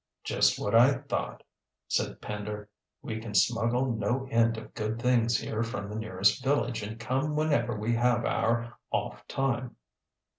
"Just what I thought," said Pender. "We can smuggle no end of good things here from the nearest village and come whenever we have our off time."